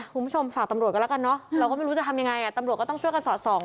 คุณผู้ชมฝากตำรวจกันแล้วกันเนอะเราก็ไม่รู้จะทำยังไงอ่ะตำรวจก็ต้องช่วยกันสอดส่อง